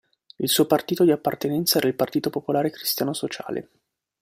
Il suo partito di appartenenza era il Partito Popolare Cristiano Sociale.